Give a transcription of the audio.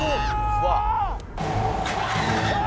「うわ！」